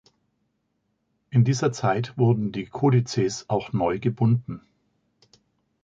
In dieser Zeit wurden die Codices auch neu gebunden.